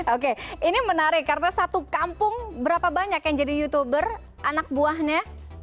oke ini menarik karena satu kampung berapa banyak yang jadi youtuber anak buahnya